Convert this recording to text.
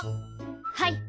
はい。